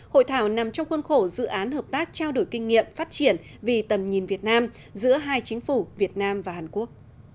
hội thảo nằm trong khuôn khổ dự án hợp tác trao đổi kinh nghiệm phát triển vì tầm nhìn việt nam giữa hai chính phủ việt nam và hàn quốc